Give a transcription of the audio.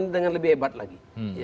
dengan lebih hebat lagi